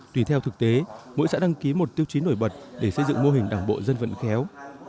tùy theo thực tế mỗi xã đăng ký một tiêu chí nổi bật để xây dựng mô hình đảng bộ dân vận khéo